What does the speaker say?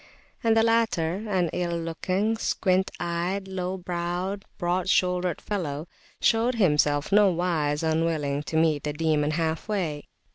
And the latter, an ill looking, squint eyed, low browed, broad shouldered fellow, showed himself nowise unwilling to meet the Demon half way.